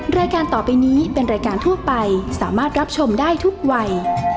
รายการต่อไปนี้เป็นรายการทั่วไปสามารถรับชมได้ทุกวัย